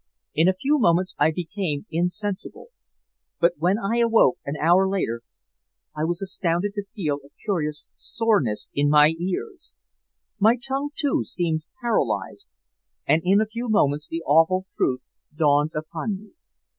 In a few moments I became insensible, but when I awoke an hour later I was astounded to feel a curious soreness in my ears. My tongue, too, seemed paralyzed, and in a few moments the awful truth dawned upon me.